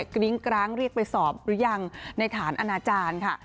กริ้งกร้างเรียกไปสอบหรือยังในฐานอนาจารย์ค่ะ